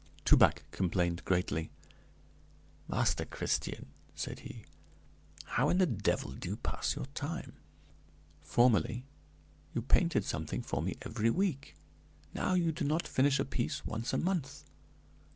Toubac complained greatly. "Master Christian," said he, "how in the devil do you pass your time? Formerly you painted something for me every week; now you do not finish a piece once a month.